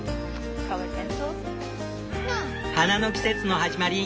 花の季節の始まり。